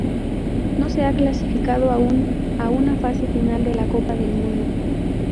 No se ha clasificado aún a una fase final de la Copa del Mundo.